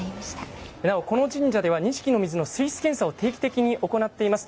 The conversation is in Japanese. この神社では錦の水の水質検査を定期的に行っています。